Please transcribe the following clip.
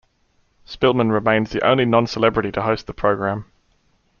Spillman remains the only non-celebrity to host the program.